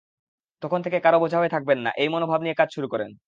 তখন থেকে কারও বোঝা হয়ে থাকবেন না—এই মনোভাব নিয়ে কাজ শুরু করেন।